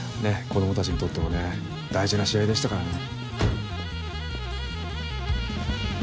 子供たちにとってもね大事な試合でしたからね。